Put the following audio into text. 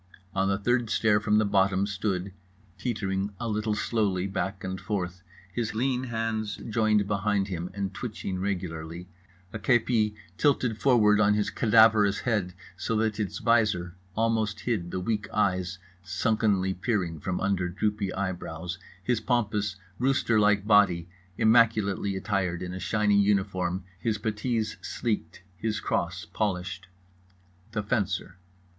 On the third stair from the bottom stood (teetering a little slowly back and forth, his lean hands joined behind him and twitching regularly, a kepi tilted forward on his cadaverous head so that its visor almost hid the weak eyes sunkenly peering from under droopy eyebrows, his pompous rooster like body immaculately attired in a shiny uniform, his puttees sleeked, his cross polished)—The Fencer.